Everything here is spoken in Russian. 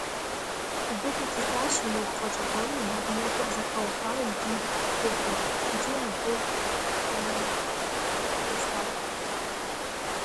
Она заметила его странное лицо, взволнованное и мрачное, и на нее нашел страх.